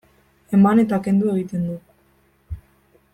Eman eta kendu egiten du.